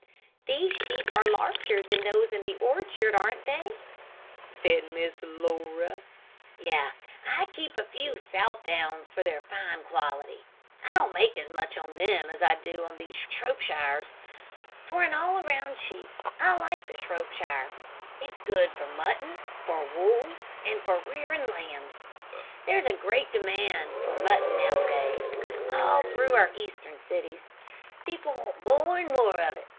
"These sheep are larger than those in the orchard, aren't they?" said Miss Laura. "Yes; I keep those few Southdowns for their fine quality. I don't make as much on them as I do on these Shropshires. For an all around sheep I like the Shropshire. It's good for mutton, for wool, and for rearing lambs. There's a great demand for mutton nowadays, all through our eastern cities. People want more and more of it.